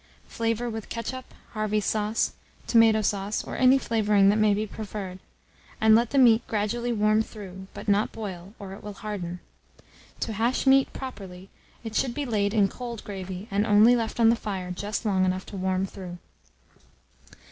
Flavour with ketchup, Harvey's sauce; tomato sauce, or any flavouring that may be preferred, and let the meat gradually warm through, but not boil, or it will harden. To hash meat properly, it should be laid in cold gravy, and only left on the fire just long enough to warm through.